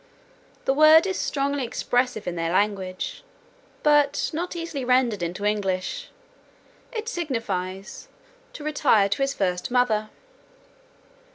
The word is strongly expressive in their language, but not easily rendered into English; it signifies, "to retire to his first mother."